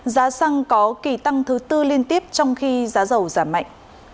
giá xăng có kỳ tăng thứ tư liên tiếp trong khi giá dầu giảm mạnh